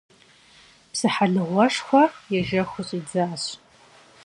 Псыхьэлыгъуэшхуэ ежэхыу щӏидзащ.